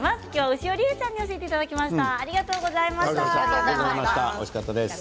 牛尾理恵さんに教えていただきました。